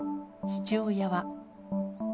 父親は。